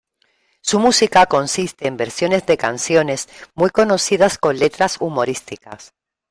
Su música consiste en versiones de canciones muy conocidas con letras humorísticas.